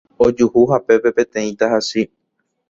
ojuhu hapépe peteĩ tahachi